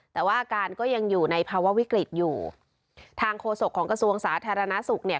แต่ว่าอาการก็ยังอยู่ในภาวะวิกฤตอยู่ทางโฆษกของกระทรวงสาธารณสุขเนี่ย